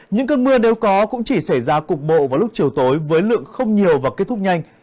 những cơn mưa nếu có cũng chỉ xảy ra cục bộ vào lúc chiều tối với lượng không nhiều và kết thúc nhanh